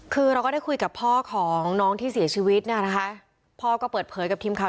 คือเราก็ได้คุยกับพ่อของน้องที่เสียชีวิตเนี่ยนะคะพ่อก็เปิดเผยกับทีมข่าว